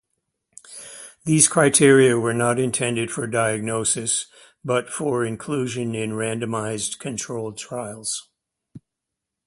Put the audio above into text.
These criteria were not intended for diagnosis, but for inclusion in randomized controlled trials.